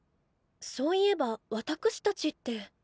そういえばわたくしたちって。